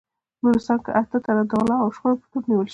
نورستان کې اته تنه د غلاوو او شخړو په تور نیول شوي